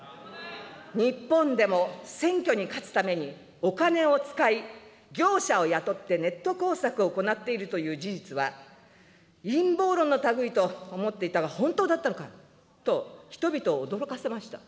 日本でも選挙に勝つために、お金を使い、業者を雇ってネット工作を行っているという事実は、陰謀論のたぐいと思っていたが本当だったのかと、人々を驚かせました。